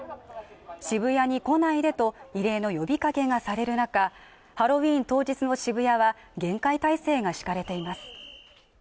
渋谷に来ないでと異例の呼びかけがされる中ハロウィーン当日の渋谷は厳戒態勢が敷かれています